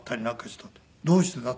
「どうしてだ？」